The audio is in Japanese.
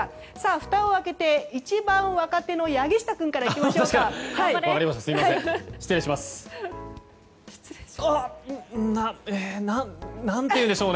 ふたを開けて一番若手の柳下君から行きましょう。